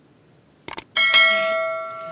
wah tin ini